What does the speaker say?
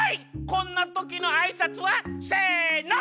こんなときのあいさつは？せの！